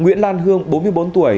nguyễn lan hương bốn mươi bốn tuổi